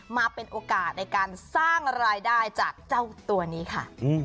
มาเป็นโอกาสในการสร้างรายได้จากเจ้าตัวนี้ค่ะ